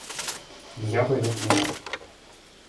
Я пойду к нему.